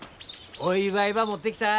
お祝いば持ってきた。